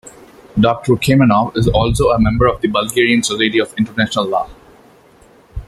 Doctor Kamenov is also a member of the Bulgarian Society of International Law.